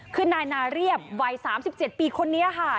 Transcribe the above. คือนายนาเรียบวัย๓๗ปีคนนี้ค่ะ